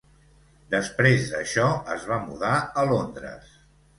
Després d'això, es va mudar a Londres.